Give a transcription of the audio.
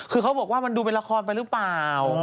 คือเขาบอกว่ามันดูเป็นละครไปหรือเปล่า